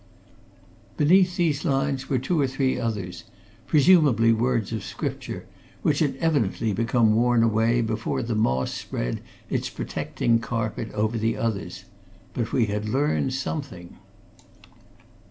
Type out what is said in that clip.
Beneath these lines were two or three others, presumably words of scripture, which had evidently become worn away before the moss spread its protecting carpet over the others. But we had learnt something.